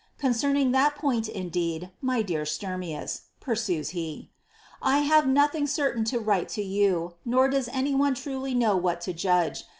Concerning that point indeed, my dear Stunnius," pursues he, ^^ I have nothing cer tain to write to you, nor does any one truly know what to judge.